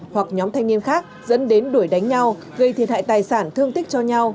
hoặc nhóm thanh niên khác dẫn đến đuổi đánh nhau gây thiệt hại tài sản thương tích cho nhau